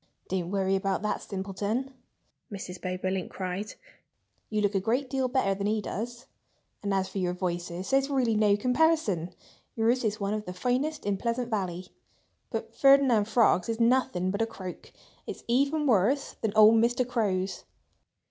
"Don't worry about that simpleton!" Mrs. Bobolink cried. "You look a great deal better than he does. And as for your voices, there's really no comparison. Yours is one of the finest in Pleasant Valley; but Ferdinand Frog's is nothing but a croak. It's even worse than old Mr. Crow's!"